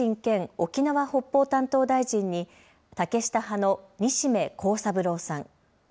沖縄北方担当大臣に竹下派の西銘恒三郎さん。